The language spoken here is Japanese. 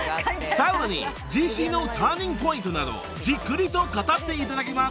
［さらに自身のターニングポイントなどじっくりと語っていただきます］